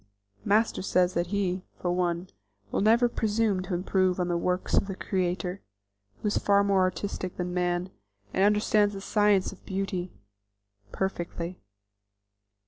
Master says that he, for one, will never presume to improve on the works of the Creator, who is far more artistic than man, and understands the science of beauty perfectly.